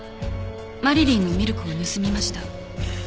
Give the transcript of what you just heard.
マリリンのミルクを盗みました。